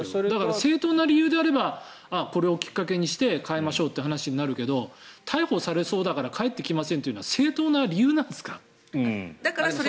正当な理由であればこれをきっかけにして変えましょうとなるけど逮捕されそうだから帰りませんというのは正当な理由になるんですか？